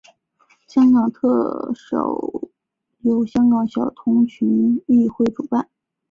香港小特首由香港小童群益会主办。